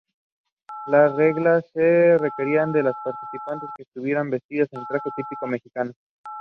Lubin inhibited integrin signalling in epithelial cells and exposed them to proinflammatory cytokines.